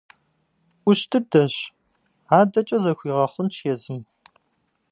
Ӏущ дыдэщ, адэкӀэ зэхуигъэхъунщ езым.